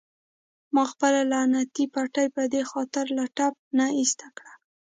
ما خپله لعنتي پټۍ په دې خاطر له ټپ نه ایسته کړه.